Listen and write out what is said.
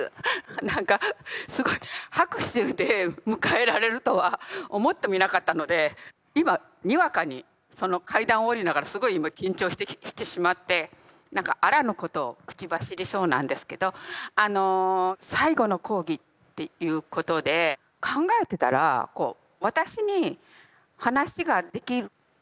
何かすごい拍手で迎えられるとは思ってもいなかったので今にわかにその階段を下りながらすごい今緊張してきてしまって何かあらぬことを口走りそうなんですけどあの「最後の講義」っていうことで考えてたら私に話ができることってそんなにないんですよ。